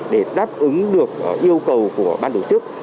để đáp ứng được yêu cầu của ban tổ chức